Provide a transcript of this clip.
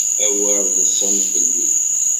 Awer ḍsen fell-i!